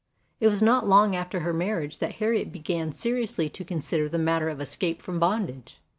It was not long after her marriage that Harriet began seriously to consider the mat ter of escape from bondage.